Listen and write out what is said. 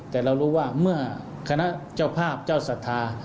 แต่เรารู้ว่าเมื่อคณะเจ้าภาพเจ้าศรัทธา